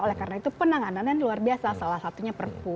oleh karena itu penanganannya luar biasa salah satunya perpu